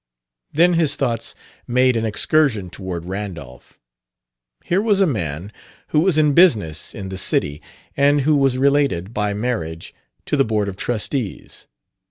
Then his thoughts made an excursion toward Randolph. Here was a man who was in business in the city, and who was related, by marriage, to the board of trustees.